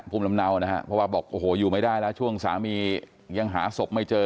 เพราะว่าบอกโอ้โหอยู่ไม่ได้แล้วช่วงสามียังหาศพไม่เจอ